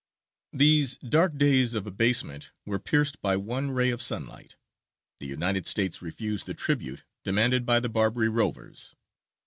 These dark days of abasement were pierced by one ray of sunlight; the United States refused the tribute demanded by the Barbary Rovers.